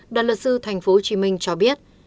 đoàn luật sư tp hcm cho biết